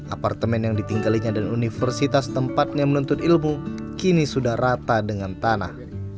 apartemen yang ditinggalinya dan universitas tempatnya menuntut ilmu kini sudah rata dengan tanah